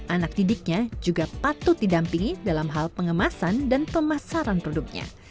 anak didiknya juga patut didampingi dalam hal pengemasan dan pemasaran produknya